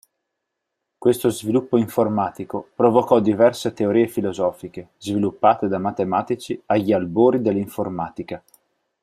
Questo sviluppo informatico provocò diverse teorie filosofiche sviluppate da matematici agli albori dell'informatica.